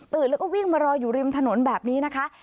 แล้วก็วิ่งมารออยู่ริมถนนแบบนี้นะคะ